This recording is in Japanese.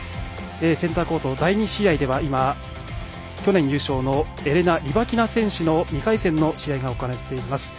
センターコート第２試合では去年優勝のエレナ・リバキナ選手の２回戦の試合が行われています。